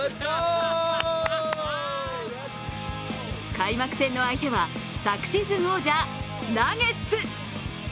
開幕戦の相手は昨シーズン王者・ナゲッツ。